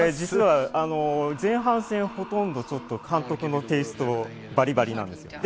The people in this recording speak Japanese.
実は前半戦、ほとんどちょっと監督のテイスト、バリバリです。